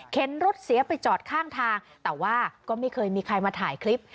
รถเสียไปจอดข้างทางแต่ว่าก็ไม่เคยมีใครมาถ่ายคลิป